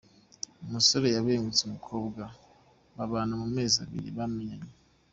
Umusore yabengutse umukobwa, babana mu mezi abiri bamenyanye.